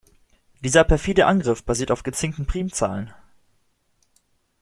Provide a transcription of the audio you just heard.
Dieser perfide Angriff basiert auf gezinkten Primzahlen.